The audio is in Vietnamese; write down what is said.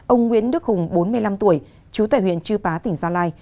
ông nguyễn đức hùng bốn mươi năm tuổi trú tại huyện chư pá tỉnh gia lai